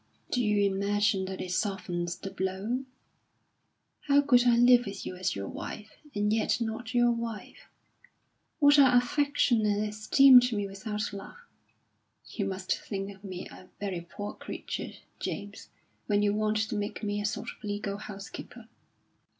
"Do you imagine that it softens the blow? How could I live with you as your wife, and yet not your wife? What are affection and esteem to me without love? You must think me a very poor creature, James, when you want to make me a sort of legal housekeeper."